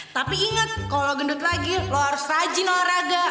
tapi ingat kalau lo gendut lagi lo harus rajin olahraga